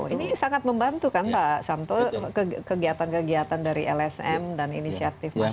ini sangat membantu kan pak samto kegiatan kegiatan dari lsm dan inisiatif masyarakat